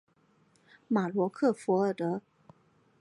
马罗克弗尔德。